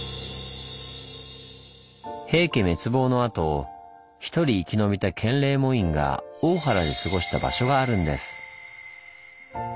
平家滅亡のあとひとり生き延びた建礼門院が大原で過ごした場所があるんです。